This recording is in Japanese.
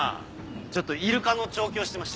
ちょっとイルカの調教してまして。